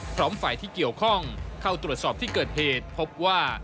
พร้อมฝ่ายที่เกี่ยวข้องเข้าตรวจสอบที่เกิดเหตุพบว่า